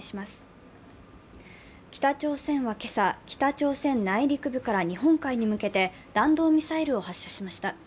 北朝鮮は今朝、北朝鮮内陸部から日本海に向けて弾道ミサイルを発射しました。